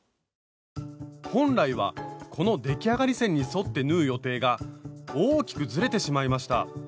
本来はこの出来上がり線に沿って縫う予定が大きくずれてしまいました。